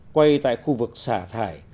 quay tại khu vực xả thải